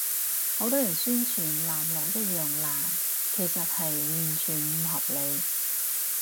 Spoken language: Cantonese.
好多人宣傳藍綠一樣爛，其實係完全唔合理